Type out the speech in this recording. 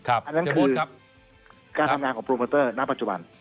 อันนั้นคือการทำงานของโปรโมเตอร์ณปัจจุบัน